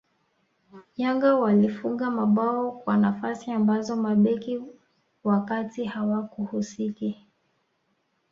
Yanga walifunga mabao kwa nafasi ambazo mabeki wa kati hawakuhusiki